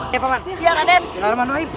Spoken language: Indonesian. ayo pak man bismillahirrahmanirrahim